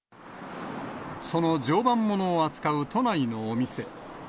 その常磐ものを扱う都内のお店。